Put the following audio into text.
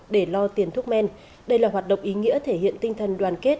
để lo tiền thuốc men đây là hoạt động ý nghĩa thể hiện tinh thần đoàn kết